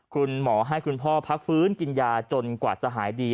คุณหมอให้คุณพ่อพักฟื้นกินยาจนกว่าจะหายดี